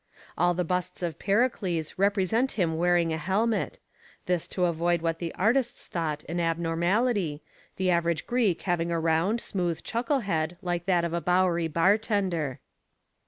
All the busts of Pericles represent him wearing a helmet this to avoid what the artists thought an abnormality, the average Greek having a round, smooth chucklehead like that of a Bowery bartender.